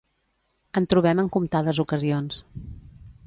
En trobem en comptades ocasions.